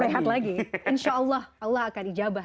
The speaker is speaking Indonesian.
pray hard lagi insya allah allah akan ijabah